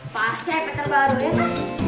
pasti efek terbaru ya pak